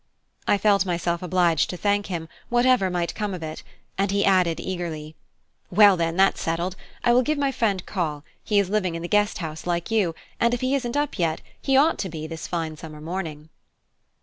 I felt myself obliged to thank him, whatever might come of it; and he added eagerly: "Well, then, that's settled. I will give my friend a call; he is living in the Guest House like you, and if he isn't up yet, he ought to be this fine summer morning."